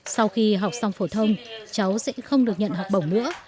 sau khi học xong phổ thông cháu sẽ không được nhận học bổng nữa